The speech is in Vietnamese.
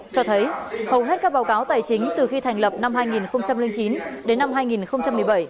cho thấy hầu hết các báo cáo tài chính từ khi thành lập năm hai nghìn chín đến năm hai nghìn một mươi bảy